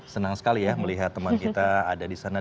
senang sekali ya melihat teman kita ada disana